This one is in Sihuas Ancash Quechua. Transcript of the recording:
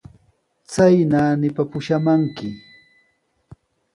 Chay naanipa pushamanki.